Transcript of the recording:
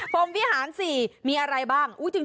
มวิหาร๔มีอะไรบ้าง